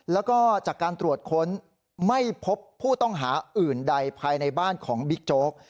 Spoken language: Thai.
แล้วก็จากการตรวจค้นไม่พบผู้ต้องหาอื่นใดภายในบ้านของบิ๊กโจ๊ก